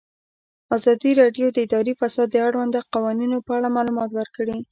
ازادي راډیو د اداري فساد د اړونده قوانینو په اړه معلومات ورکړي.